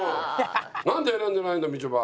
なんで選んでないんだよみちょぱ。